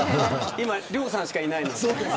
今、亮さんしかいないので。